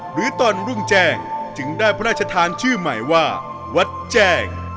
หรือตอนรุ่งแจ้งจึงได้พระราชทานชื่อใหม่ว่าวัดแจ้ง